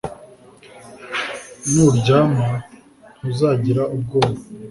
Nuryama ntuzagira ubwoba